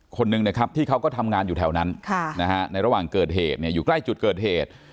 คนหนึ่งนะครับที่เขาก็ทำงานอยู่แถวนั้นในระหว่างเกิดเหตุอยู่ใกล้จุดเกิดเหตุ